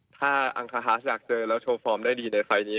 ถ้าอังคาฮาสอยากเจอแล้วโชว์ฟอร์มได้ดีในไฟล์นี้